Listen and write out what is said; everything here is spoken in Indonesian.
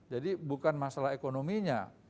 jadi bukan masalah ekonominya